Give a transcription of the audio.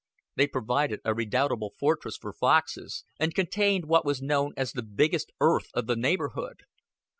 They provided a redoubtable fortress for foxes, and contained what was known as the biggest "earth" of the neighborhood.